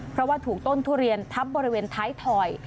เพราะว่าถูกต้นทุเรียนทับบริเวณท้ายถอย